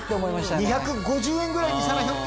２５０円ぐらいにしたら。